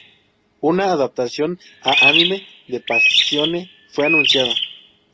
Una adaptación a anime de Passione fue anunciada.